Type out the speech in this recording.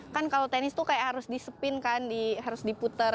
kan kalau tenis tuh kayak harus di spin kan harus diputer